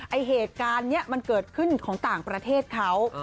ไอ้เหตุการณ์นี้มันเกิดขึ้นของต่างประเทศเขา